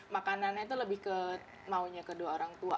makanannya itu lebih ke maunya kedua orang tua